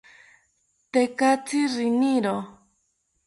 Tekatzi riniro